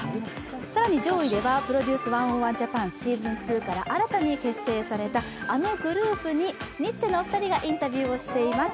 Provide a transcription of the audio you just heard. さらに上位では「ＰＲＯＤＵＣＥ１０１ＪＡＰＡＮＳＥＡＳＯＮ２」から新たに結成されたあのグループにニッチェのお二人がインタビューをしています。